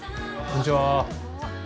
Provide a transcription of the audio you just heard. こんにちは。